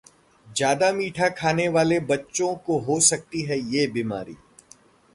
ज्यादा मीठा खाने वाले बच्चों को हो सकती है ये बीमारी...